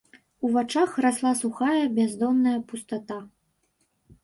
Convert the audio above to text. У вачах расла сухая, бяздонная пустата.